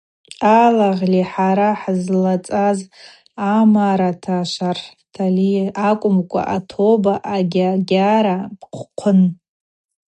Алагъьли хӏара хӏызлацаз амараташвартали акӏвымкӏва атоба агьагьара бхъвын.